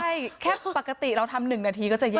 ใช่แค่ปกติเราทำ๑นาทีก็จะเย็น